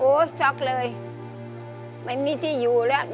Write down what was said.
ช็อกเลยไม่มีที่อยู่แล้ว